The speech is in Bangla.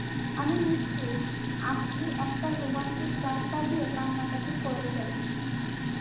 আমি নিশ্চিত আপনি একটা রোমান্টিক গান বাজিয়ে কান্নাকাটি করেছেন!